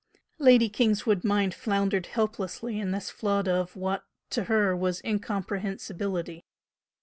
'" Lady Kingswood's mind floundered helplessly in this flood of what, to her, was incomprehensibility.